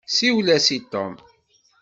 Siwel-as i Tom.